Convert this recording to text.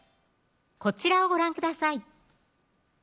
こちらをご覧ください